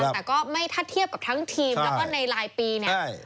แต่ก็ไม่ถ้าเทียบกับทั้งทีมแล้วก็ในรายปีเนี่ย